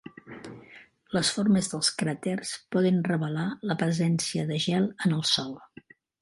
Les formes dels cràters poden revelar la presència de gel en el sòl.